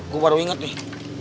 gue baru inget nih